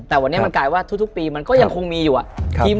แต่วันนี้มันกลายว่าทุกปีมันก็ยังคงมีอยู่อะ